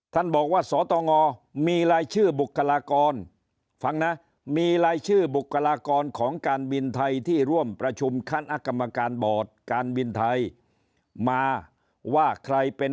ท่านบอกว่าสตงมีรายชื่อบุคลากรฟังนะมีรายชื่อบุคลากรของการบินไทยที่ร่วมประชุมคณะกรรมการบอร์ดการบินไทยมาว่าใครเป็น